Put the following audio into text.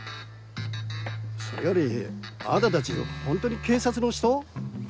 それよりあなたたちホントに警察の人？